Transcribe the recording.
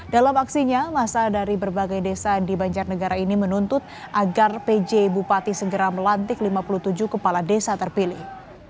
dalam aksinya masa dari berbagai desa di banjarnegara ini menuntut agar pj bupati segera melantik lima puluh tujuh kepala desa terpilih